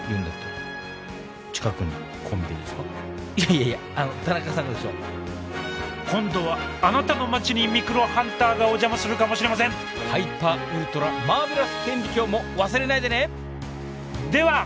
いやいや田中さんがですよ。今度はあなたの町にミクロハンターがお邪魔するかもしれませんハイパーウルトラマーベラス顕微鏡も忘れないでねでは。